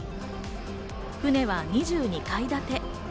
船は２２階建て。